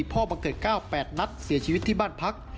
บังเกิด๙๘นัดเสียชีวิตที่บ้านพัก